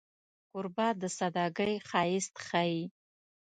کوربه د سادګۍ ښایست ښيي.